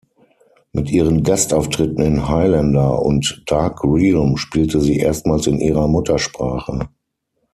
Mit ihren Gastauftritten in "Highlander" und "Dark Realm" spielte sie erstmals in ihrer Muttersprache.